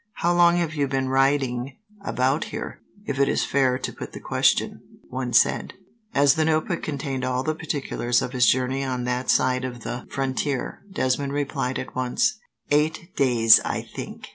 "How long have you been riding about here, if it is fair to put the question?" one said. As the notebook contained all the particulars of his journeys on that side of the frontier, Desmond replied at once: "Eight days, I think.